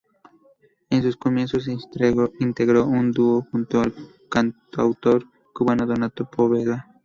En sus comienzos integró un dúo junto al cantautor cubano Donato Poveda.